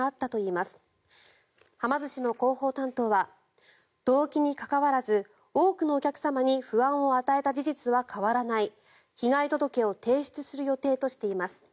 ま寿司の広報担当は動機に関わらず多くのお客様に不安を与えた事実は変わらない被害届を提出する予定としています。